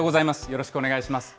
よろしくお願いします。